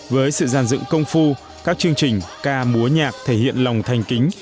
với sự giàn dựng công phu các chương trình ca múa nhạc thể hiện lòng thanh kính